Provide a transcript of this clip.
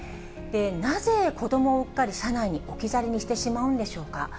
なぜ、子どもをうっかり車内に置き去りにしてしまうんでしょうか。